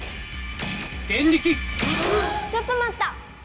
ちょっとまった！